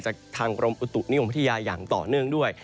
จากทางกรมอุตุนิยมพัทยาอย่างต่อเนื่องด้วย